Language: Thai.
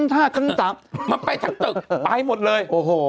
มันไปทั้งตึกไปหมดเลย